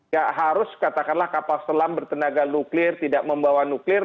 ya harus katakanlah kapal selam bertenaga nuklir tidak membawa nuklir